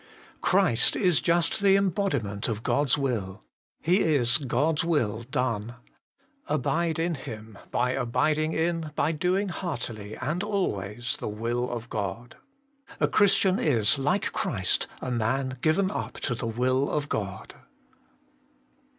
5. Christ is just the embodiment of God's will : He is, God's will done. Abide in Him, by abiding in, by doing heartily and always, the will of God. A Christian is, lihe Christ, a man given up to the Will of God.